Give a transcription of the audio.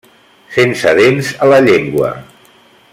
Sense dents a la llengua.